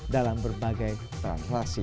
dalam berbagai translasi